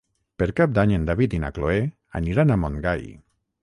Per Cap d'Any en David i na Cloè aniran a Montgai.